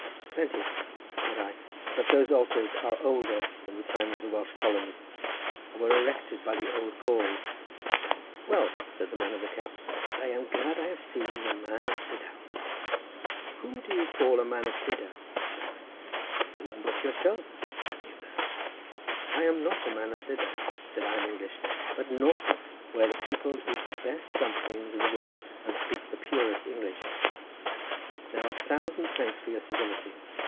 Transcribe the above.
"Plenty," said I; "but those altars are older than the time of the Welsh colonists, and were erected by the old Gauls." "Well," said the man of the cap, "I am glad to have seen a man of Llydaw." "Whom do you call a man of Llydaw?" said I. "Whom but yourself?" said he of the hat. "I am not a man of Llydaw," said I in English, "but of Norfolk, where the people eat the best dumplings in the world, and speak the purest English. Now a thousand thanks for your civility.